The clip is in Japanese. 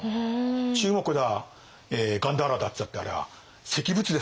中国だガンダーラだっつったってあれは石仏ですから。